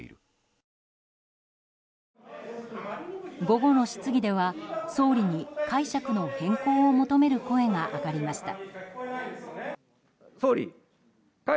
午後の質疑では総理に解釈の変更を求める声が上がりました。